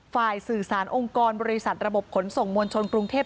ฝ่ายสื่อสารองค์กรบริษัทระบบขนส่งมวลชนกรุงเทพ